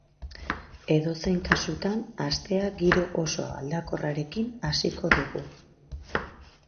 Edozein kasutan, astea giro oso aldakorrarekin hasiko dugu.